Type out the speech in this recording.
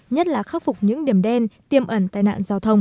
nhất là khắc phục những điểm đen tiêm ẩn tai nạn giao thông